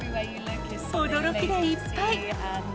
驚きでいっぱい。